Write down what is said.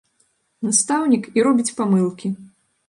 Настаўнік, і робіць памылкі!